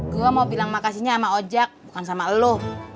gue mau bilang makasihnya sama ojek bukan sama lo